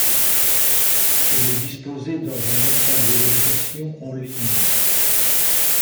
Elle est disposée dans un ensemble d'habitations en ligne.